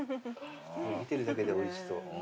見てるだけでおいしそう。